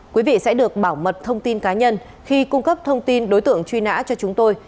quý vị sẽ được bảo mật thông tin cá nhân khi cung cấp thông tin đối tượng truy nã cho chúng tôi